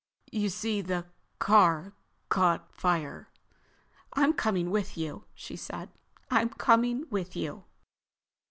You see, the car caught fire!" "I'm coming with you," she said. "I'm coming with you!"